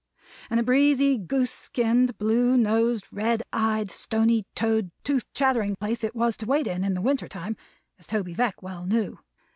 And a breezy, goose skinned, blue nosed, red eyed, stony toed, tooth chattering place it was to wait in, in the winter time, as Toby Veck well knew.